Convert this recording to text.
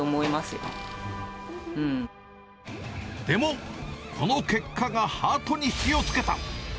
でも、この結果がハートに火をつけた。